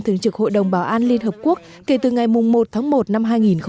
thường trực hội đồng bảo an liên hợp quốc kể từ ngày một tháng một năm hai nghìn hai mươi